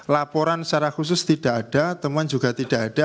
laporan secara khusus tidak ada temuan juga tidak ada